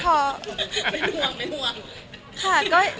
ใช่อย่างริตะก็พอ